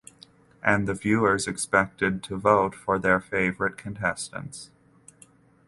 And the viewers are expected to vote for their favourite contestants.